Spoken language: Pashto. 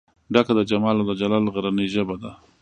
ډکه د جمال او دجلال غرنۍ ژبه ده